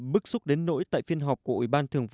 bức xúc đến nỗi tại phiên họp của ủy ban thường vụ